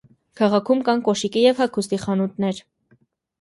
Քաղաքում կան կոշիկի և հագուստի խանութներ։